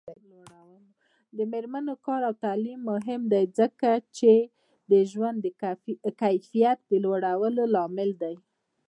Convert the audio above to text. د میرمنو کار او تعلیم مهم دی ځکه چې ژوند کیفیت لوړولو لامل دی.